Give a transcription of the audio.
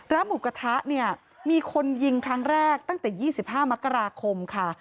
หมูกระทะเนี่ยมีคนยิงครั้งแรกตั้งแต่๒๕มกราคมค่ะ